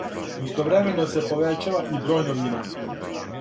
Истовремено се повећава и број новина.